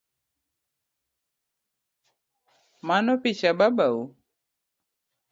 Mano picha babau?